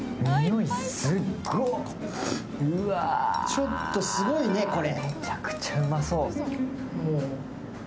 ちょっとすごいね、これ。